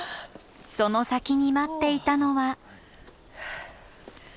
その先に待っていたのは。